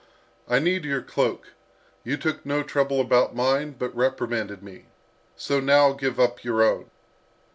I need your cloak. You took no trouble about mine, but reprimanded me. So now give up your own."